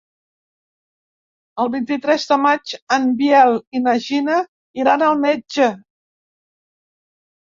El vint-i-tres de maig en Biel i na Gina iran al metge.